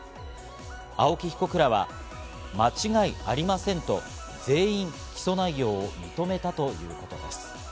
青木被告らは間違いありませんと全員、起訴内容を認めたということです。